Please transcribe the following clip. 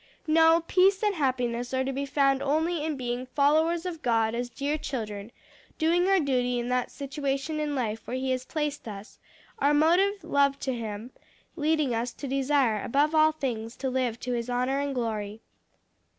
"No; peace and happiness are to be found only in being 'followers of God as dear children,' doing our duty in that station in life where he has placed us; our motive love to him; leading us to desire above all things to live to his honor and glory."